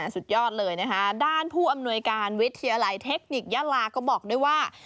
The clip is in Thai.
สุดยอดเลยนะคะด้านผู้อำนวยการวิทยาลัยเทคนิคยาลาก็บอกด้วยว่า